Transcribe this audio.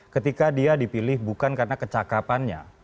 ketika dia dipilih bukan karena kecakapannya